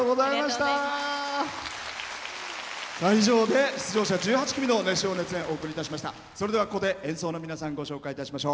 以上で出場者１８組の熱唱・熱演お送りいたしました。